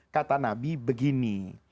kata nabi begini